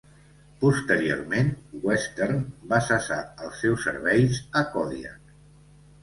Posteriorment, Western va cessar els seus serveis a Kodiak.